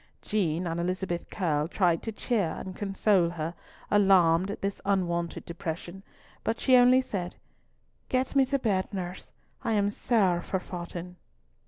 Jean and Elizabeth Curll tried to cheer and console her, alarmed at this unwonted depression, but she only said, "Get me to bed, nurse, I am sair forfaughten."